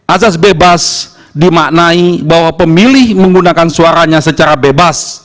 asas bebas dimaknai bahwa pemilih menggunakan suaranya secara bebas